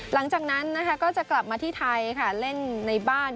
หลังจากนั้นนะคะก็จะกลับมาที่ไทยค่ะเล่นในบ้าน